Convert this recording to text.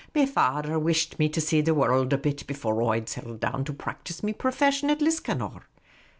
Me fader whisht me to see the worruld a bit before I 'd settle down to practise me profession at Liscannor.